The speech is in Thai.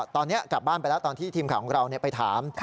ตอนนี้กลับบ้านไปแล้วตอนที่ทีมข่าวของเราไปถาม